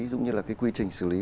giống như là cái quy trình xử lý